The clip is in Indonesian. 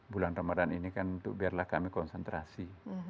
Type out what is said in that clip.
bulan ramadhan ini kan untuk biarlah kami konsentrasi